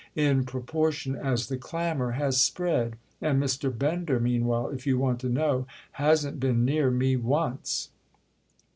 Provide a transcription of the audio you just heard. —in proportion as the clamour has spread; and Mr. Bender meanwhile, if you want to know, hasn't been near me once!"